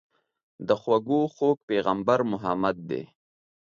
د خوږو خوږ پيغمبر محمد دي.